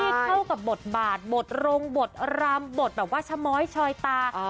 เข้ากับบทบาทบทโรงบทรำบทแบบว่าชะม้อยชอยตา